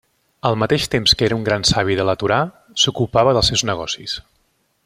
Al mateix temps que era un gran savi de la Torà, s'ocupava dels seus negocis.